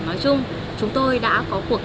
nói chung chúng tôi đã có cuộc truyền